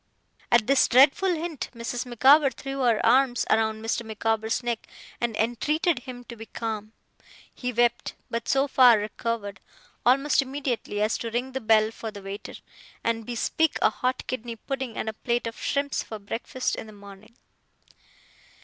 At this dreadful hint Mrs. Micawber threw her arms round Mr. Micawber's neck and entreated him to be calm. He wept; but so far recovered, almost immediately, as to ring the bell for the waiter, and bespeak a hot kidney pudding and a plate of shrimps for breakfast in the morning.